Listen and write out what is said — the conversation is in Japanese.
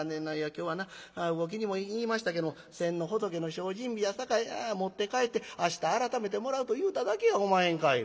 今日はな魚喜にも言いましたけども先の仏の精進日やさかい持って帰って明日改めてもらうと言うただけやおまへんかいな」。